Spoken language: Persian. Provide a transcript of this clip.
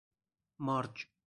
مارج